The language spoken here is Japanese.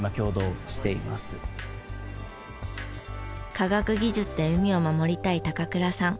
科学技術で海を守りたい高倉さん。